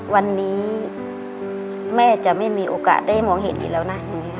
วันนี้แม่จะไม่มีโอกาสได้มองเห็นอีกแล้วนะ